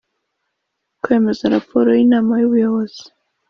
kwemeza raporo z inama y ubuyobozi